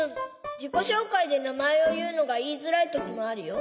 じこしょうかいでなまえをいうのがいいづらいときもあるよ。